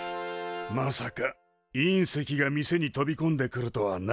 まさか隕石が店に飛びこんでくるとはな。